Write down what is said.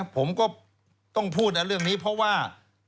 ผมก็ต้องพูดเรื่องนี้เพราะว่า